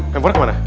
handphonenya ke mana